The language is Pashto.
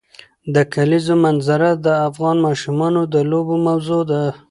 د کلیزو منظره د افغان ماشومانو د لوبو موضوع ده.